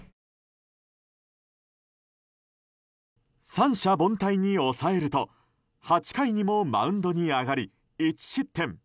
三者凡退に抑えると８回にもマウンドに上がり１失点。